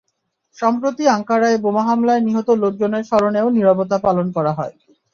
সম্প্রতি আঙ্কারায় বোমা হামলায় নিহত লোকজনের স্মরণেও নীরবতা পালন করা হয়।